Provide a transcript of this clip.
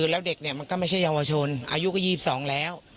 แล้วเด็กก็ไม่ใช่ยาวชนอายุก็๒๒แล้ว